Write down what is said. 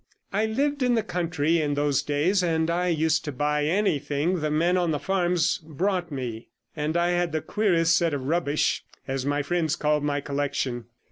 I lived in the country in those days, and I used to buy anything the men on the farms brought me; and I had the queerest set of rubbish, as my friends called my collection.